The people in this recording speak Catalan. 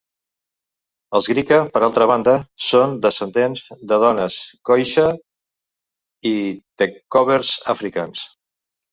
Els griqua, per altra banda, són descendents de dones khoisan i trekkboers afrikaans.